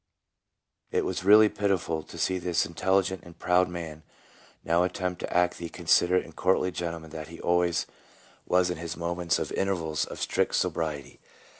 It was really pitiful to see this intelligent and proud man now attempt to act the considerate and courtly gentleman that he always was in his moments of intervals of strict sobriety.